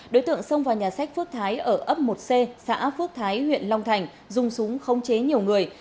đối tượng xông vào nhà sách phước thái ở ấp một c xã phước thái huyện long thành dùng súng khống chế nhiều người